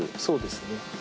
そうですね。